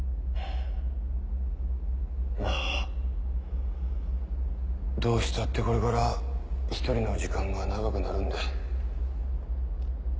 まぁどうしたってこれから１人の時間が長くなるんで。